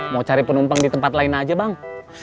mau cari penumpang di tempat lain aja bang